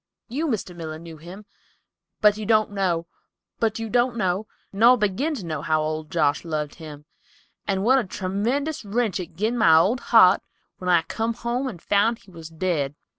You, Mr. Miller, knew him, but you don't know—no, nor begin to know, how old Josh loved him, and what a tremendous wrench it gin my old heart when I come home and found he was dead.